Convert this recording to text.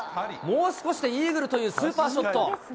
もう少しでイーグルというスーパーショット。